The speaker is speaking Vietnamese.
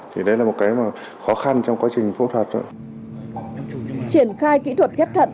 thì đấy là một cái khó khăn trong quá trình phẫu thuật